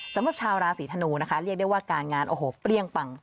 สำหรับชาวราศรีธนูเรียกได้ว่าการงานเปรี้ยงปัง